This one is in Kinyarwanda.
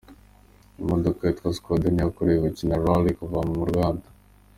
Iyo modoka yitwa Škoda ni iyakorewe gukina rally kuva mu ruganda.